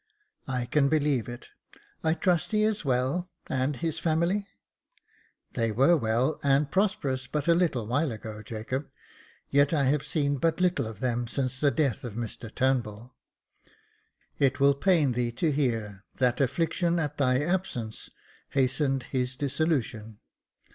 " I can believe it. I trust he is well, and his family." They were well and prosperous but a little while ago, Jacob ; yet I have seen but little of them since the death of Mr Turnbull. It will pain thee to hear that affliction at thy absence hastened his dissolution.